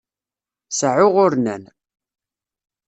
Seεεuɣ urnan.